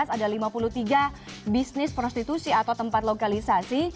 ada lima puluh tiga bisnis prostitusi atau tempat lokalisasi